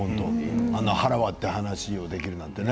あんな腹を割って話をできるなんてね。